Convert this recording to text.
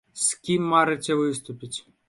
З кім марыце выступіць?